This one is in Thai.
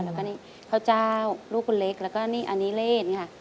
แล้วก็นี่พ่อเจ้าลูกคุณเล็กแล้วก็นี่อันนี้เล่นค่ะ